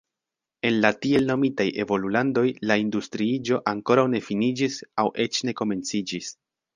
En la tiel nomitaj evolulandoj la industriiĝo ankoraŭ ne finiĝis aŭ eĉ ne komenciĝis.